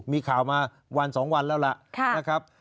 มีข่าวมาวัน๒วันแล้วล่ะนะครับ